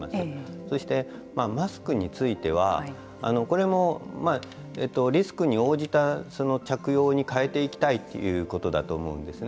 そしてマスクについてはこれもリスクに応じた着用に変えていきたいということだと思うんですね。